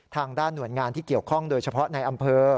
ทางด้านหน่วยงานที่เกี่ยวข้องโดยเฉพาะในอำเภอ